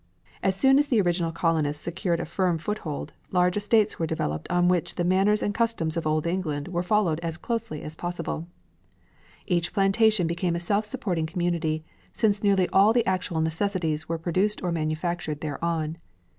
As soon as these original colonists secured a firm foothold, large estates were developed on which the manners and customs of old England were followed as closely as possible. Each plantation became a self supporting community, since nearly all the actual necessities were produced or manufactured thereon.